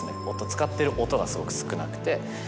使ってる音がすごく少なくて。